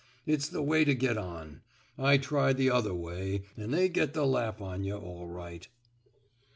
It's the way to get on. I tried the other way, an' they get the laugh on yuh all right."